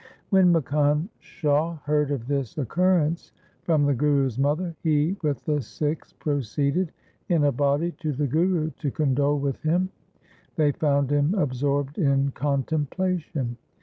When Makkhan Shah heard of this occurrence from the Guru's mother, he with the Sikhs pro ceeded in a body to the Guru to condole with him. They found him absorbed in contemplation.